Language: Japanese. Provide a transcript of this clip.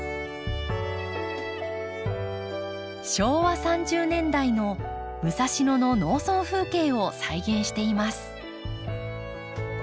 昭和３０年代の武蔵野の農村風景を再現しています。